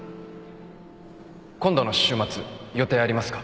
今度の週末予定ありますか？